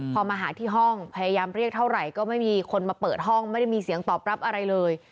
พอมาหาที่ห้องพยายามเรียกเท่าไหร่ก็ไม่มีคนมาเปิดห้องไม่ได้มีเสียงตอบรับอะไรเลย